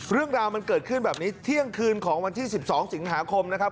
เรื่องราวมันเกิดขึ้นแบบนี้เที่ยงคืนของวันที่๑๒สิงหาคมนะครับ